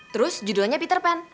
terus judulnya peter pan